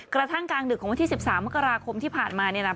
กระทั่งกลางดึกของวันที่๑๓มกราคมที่ผ่านมานี่แหละ